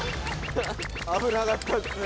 危なかったですね。